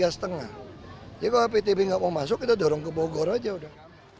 jadi kalau aptb nggak mau masuk kita dorong ke bogor aja udah